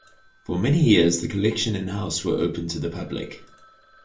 For many years the collection and house were open to the public.